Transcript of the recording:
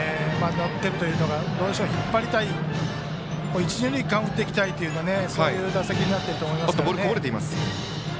乗っているというところで引っ張りたい一、二塁間に打っていきたいというそういう打席になっていると思います。